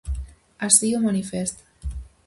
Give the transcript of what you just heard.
Así o manifesta.